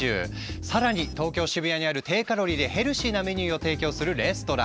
更に東京・渋谷にある低カロリーでヘルシーなメニューを提供するレストラン。